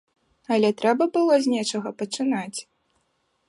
Але трэба было з нечага пачынаць.